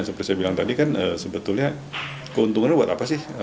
seperti saya bilang tadi kan sebetulnya keuntungannya buat apa sih